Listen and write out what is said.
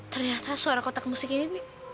ternyata suara kotak musik ini